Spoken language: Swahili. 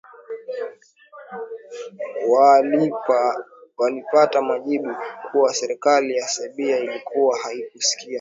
waalipata majibu kuwa serikali ya sebia ilikuwa haihusiki